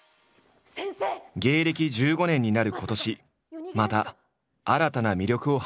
芸歴１５年になる今年また新たな魅力を発揮している。